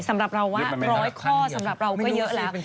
สำหรับเราว่า๑๐๐ข้อสำหรับเราก็เยอะแล้ว